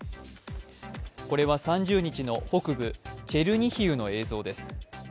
これは３０日の北部チェルニヒウの映像です。